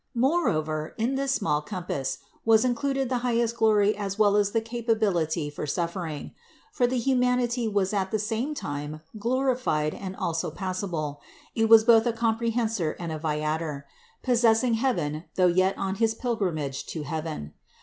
More over in this small compass was included the highest glory as well as the capability for suffering; for the hu manity was at the same time glorified and also passible, it was both a Comprehensor and a Viator, possessing heaven though yet on his pilgrimage to heaven.